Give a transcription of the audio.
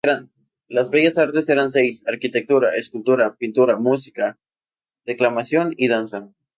Las bellas artes eran seis: arquitectura, escultura, pintura, música, declamación y danza.